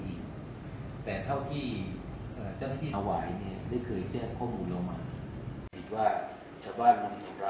สิทธิ์ว่าชาวบ้านมูลต่อร้ายจะไม่คิดขอปรวจ